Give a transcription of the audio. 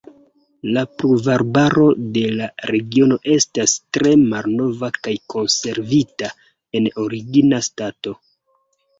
La pluvarbaro de la regiono estas tre malnova kaj konservita en origina stato.